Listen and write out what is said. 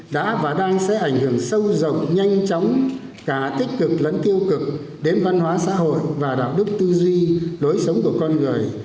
đã và đang sẽ ảnh hưởng sâu rộng nhanh chóng cả tích cực lẫn tiêu cực đến văn hóa xã hội và đạo đức tư duy lối sống của con người